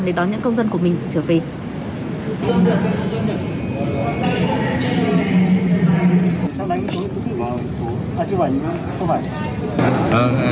để đón những công dân của mình trở về